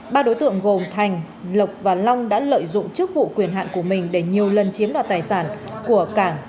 ba đối tượng gồm thành lộc và long đã lợi dụng chức vụ quyền hạn của mình để nhiều lần chiếm đoạt tài sản của cảng